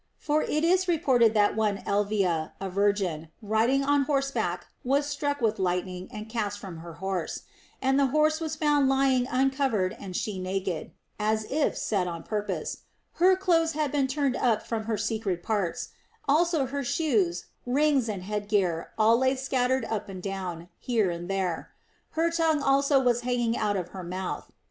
For it is reported that one Elvia, a virgin, riding on horseback was struck with lightning and cast from her horse, and the horse was found lying uncov ered and she naked, as if on set purpose ; her clothes had been turned up from her secret parts, also her shoes, rings, and head gear all lay scattered up and down, here and there ; her tongue also was hanging out of her mouth.